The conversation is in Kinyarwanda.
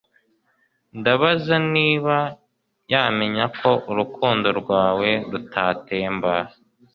Ndabaza niba ya menya ko urukundo rwawe rutatemba